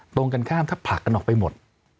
ตรงกันข้ามถ้าผลักกันออกไปหมด